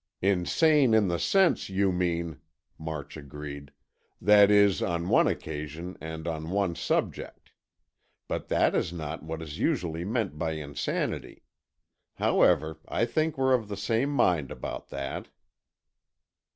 "Insane in the sense you mean," March agreed, "that is, on one occasion and on one subject. But that is not what is usually meant by insanity. However, I think we're of the same mind about that."